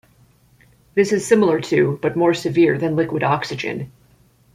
This is similar to, but more severe than liquid oxygen.